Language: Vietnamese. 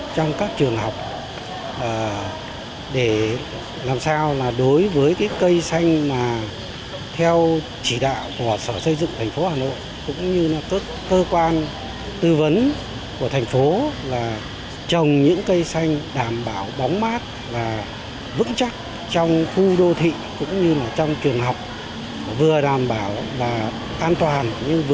trong trường học vừa đảm bảo và an toàn nhưng vừa có bóng mắt trên địa bàn